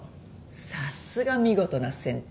さすが見事な先手。